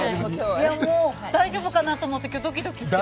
もう大丈夫かなと思って、きょう、ドキドキして。